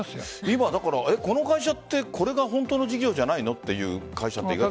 今、この会社はこれが本当の事業じゃないの？という会社って意外と。